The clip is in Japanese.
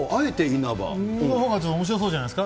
のほうがおもしろそうじゃないですか。